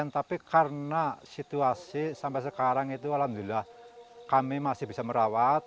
tapi karena situasi sampai sekarang itu alhamdulillah kami masih bisa merawat